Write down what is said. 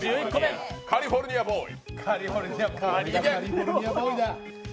カリフォルニアボーイ。